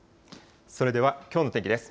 それではきょうの天気です。